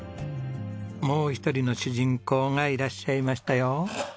もう一人の主人公がいらっしゃいましたよ。